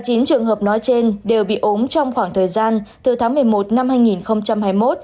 hai mươi chín trường hợp nói trên đều bị ốm trong khoảng thời gian từ tháng một mươi một năm hai nghìn hai mươi một